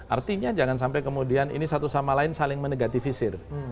artinya jangan sampai kemudian ini satu sama lain saling menegatifisir